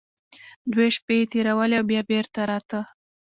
دوې شپې يې تېرولې او بيا بېرته راته.